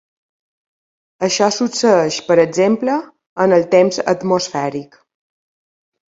Això succeïx per exemple en el temps atmosfèric.